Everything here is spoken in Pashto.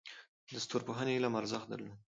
د ستورپوهنې علم ارزښت درلود